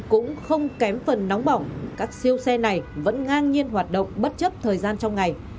cũng không kém phần nóng bỏng các siêu xe này vẫn ngang nhiên hoạt động bất chấp thời gian trong ngày